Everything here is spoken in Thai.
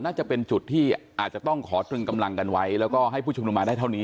น่าจะเป็นจุดที่อาจจะต้องขอตรึงกำลังกันไว้แล้วก็ให้ผู้ชุมนุมมาได้เท่านี้